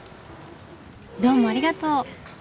どうもありがとう。